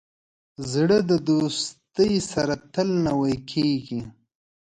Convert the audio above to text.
زړه د دوستۍ سره تل نوی کېږي.